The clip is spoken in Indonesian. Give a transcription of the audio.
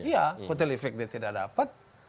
iya kotel efek dia tidak dapat